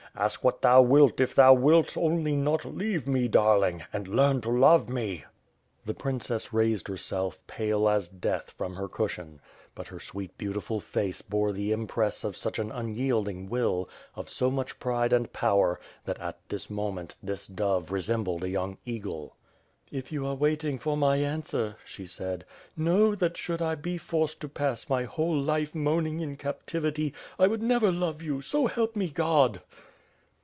Ask what thou wilt if thou wilt only not leave me, darling, and learn to love me!'' THE PRINCESS RAISED HERSELF ON THE COUCH. WITH FIRE AND SWORD. ^j The princess raised herself, pale as death, from her cushion; but her sweet, beautiful face bore the impress of such an unyielding will, of so much pride and power, that, at this moment, this dove resembled a young eagle. "If you are waiting for my answer,'' she said, "know, that should I be forced to pass my whole life moaning in captivity, 1 would never love you, so help me God!"